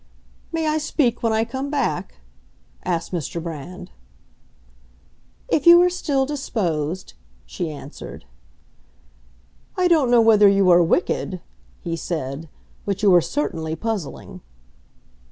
"May I speak when I come back?" asked Mr. Brand. "If you are still disposed," she answered. "I don't know whether you are wicked," he said, "but you are certainly puzzling."